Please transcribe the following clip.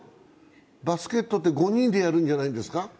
バスケットって５人でやるんじゃないですか？